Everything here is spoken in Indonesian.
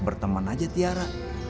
berteman aja tiara